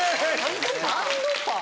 サンドパン？